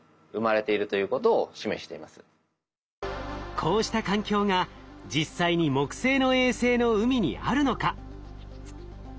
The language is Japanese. こうした環境が実際に木星の衛星の海にあるのか？